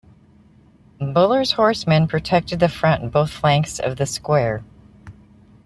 Buller's horsemen protected the front and both flanks of the square.